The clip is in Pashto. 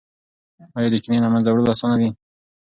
ایا د کینې له منځه وړل اسانه دي؟